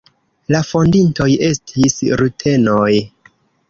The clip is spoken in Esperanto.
La fondintoj estis rutenoj.